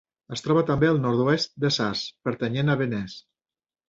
Es troba també al nord-oest de Sas, pertanyent a Benés.